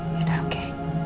ya udah oke